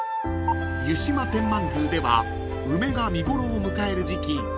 ［湯島天満宮では梅が見頃を迎える時季